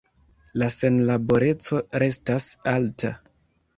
La senlaboreco restas alta.